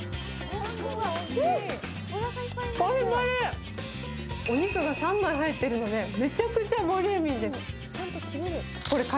パリパリ、お肉が３枚も入ってるので、めちゃくちゃボリューミーです。